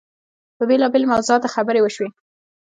په بېلابېلو موضوعاتو خبرې وشوې.